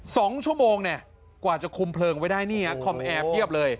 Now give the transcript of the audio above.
สองชั่วโมงเนี่ยกว่าจะคุมเพลิงไว้ได้นี่ฮะคอมแอร์เพียบเลย